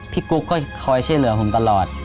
กุ๊กก็คอยช่วยเหลือผมตลอด